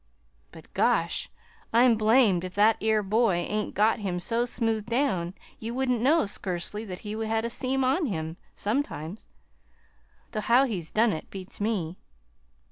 But, gosh! I'm blamed if that, ere boy ain't got him so smoothed down, you wouldn't know, scursely, that he had a seam on him, sometimes; though how he's done it beats me.